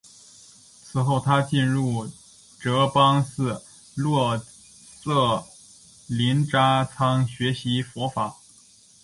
此后他进入哲蚌寺洛色林扎仓学习佛法。